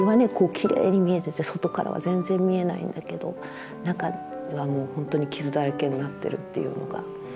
きれいに見えてて外からは全然見えないんだけど中はもう本当に傷だらけになってるっていうのが。